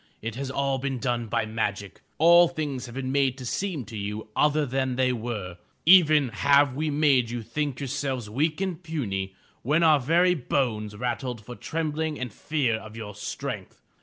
It has all been done by magic. All things have been made to seem to you other than they were. Even have we made you think yourselves weak and puny, when our very bones rattled for trembling and fear of your strength.